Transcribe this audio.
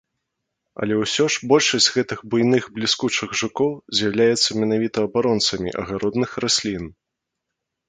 Але ўсё ж большасць гэтых буйных бліскучых жукоў з'яўляецца менавіта абаронцамі агародных раслін.